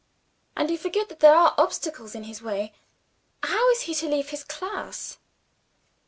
"And you forget that there are obstacles in his way. How is he to leave his class?"